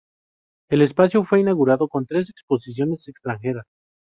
El espacio fue inaugurado con tres exposiciones extranjeras.